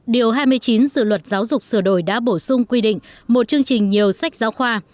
điều hai mươi chín dự luật giáo dục sửa đổi đã bổ sung quy định một chương trình nhiều sách giáo khoa